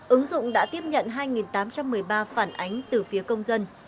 ứng dụng đã tiếp nhận hai tám trăm một mươi ba phản ánh từ phía công dân